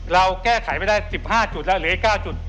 เราแก้ไขไม่ได้๑๕จุดแล้วเหลืออีก๙จุด